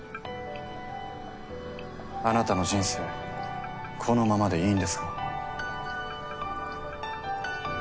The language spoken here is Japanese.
あなたの人生このままでいいんですか？